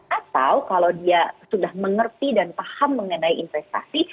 atau kalau dia sudah mengerti dan paham mengenai investasi